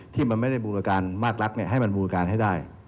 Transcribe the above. ที่มันไม่ได้บูรการมากรักให้มันบูรการให้ได้